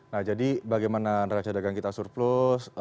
nah jadi bagaimana neraca dagang kita surplus